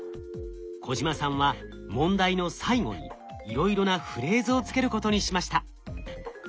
小島さんは問題の最後にいろいろなフレーズを付けることにしました。